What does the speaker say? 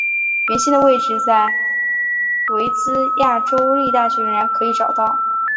原先的位置在维兹亚州立大学仍然可以找到。